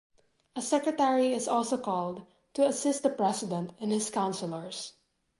A secretary is also called to assist the president and his counselors.